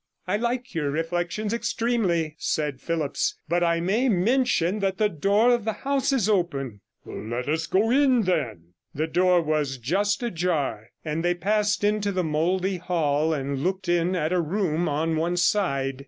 145 'I like your reflections extremely,' said Phillipps; 'but I may mention that the door of the house is open,' 'Let us go in, then,' The door was just ajar, and they passed into the mouldy hall and looked in at a room on one side.